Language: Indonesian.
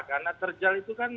karena terjal itu kan